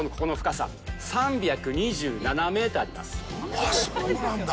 あっ、そうなんだ！